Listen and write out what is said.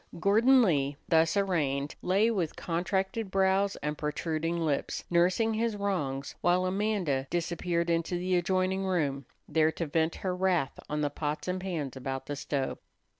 Gordon Lee, thus arraigned, lay with contracted brows and protruding lips, nursing his wrongs, while Amanda disappeared into the adjoining room, there to vent her wrath on the pots and pans about the stove.